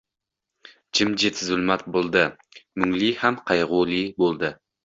Jimjit zulmat bo‘ldi. Mungli ham qayg‘uli bo‘ldi.